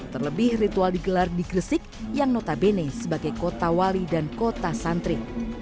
terlebih ritual digelar di gresik yang notabene sebagai kota wali dan kota santri